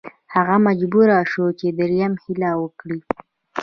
هغه مجبور شو چې دریمه هیله وکړي.